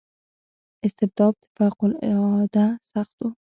استبداد فوق العاده سخت و.